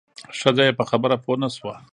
ښځه یې په خبره پوه نه شوه.